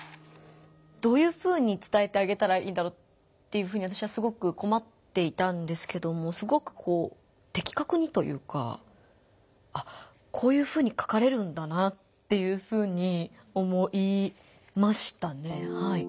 どういうふうにつたえてあげたらいいだろうっていうふうに私はすごく困っていたんですけどもすごくこう的確にというかあっこういうふうに書かれるんだなっていうふうに思いましたね。